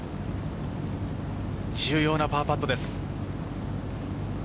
重要なパーパットです。